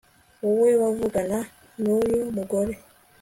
wowe wavuganaga n'uyu mugore i